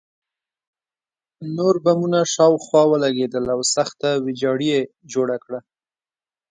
نور بمونه شاوخوا ولګېدل او سخته ویجاړي یې جوړه کړه